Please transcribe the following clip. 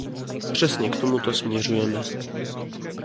Přesně k tomuto směřujeme.